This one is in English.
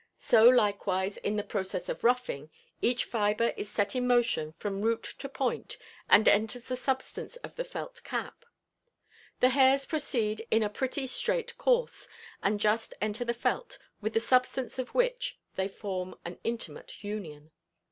So, likewise, in the process of "ruffing," each fiber is set in motion from root to point, and enters the substance of the felt cap. The hairs proceed in a pretty straight course, and just enter the felt, with the substance of which they form an intimate union.